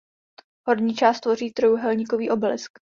Horní část tvoří trojúhelníkový obelisk.